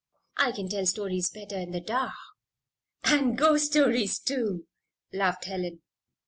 "I can tell stories better in the dark." "And ghost stories, too," laughed Helen.